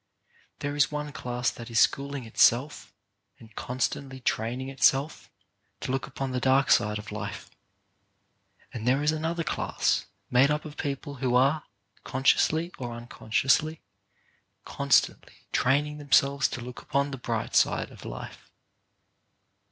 There is one class that is schooling itself, and con stantly training itself, to look upon the dark side of life ; and there is another class, made up of people who are, consciously or unconsciously, constantly training themselves to look upon the bright side of life.